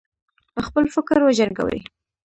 خپل فکر وجنګوي.